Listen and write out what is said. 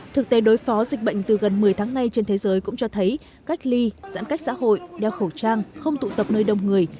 thực tế đối phó dịch bệnh từ gần một mươi tháng nay trên thế giới cũng cho thấy cách ly giãn cách xã hội đeo khẩu trang không tụ tập nơi đông người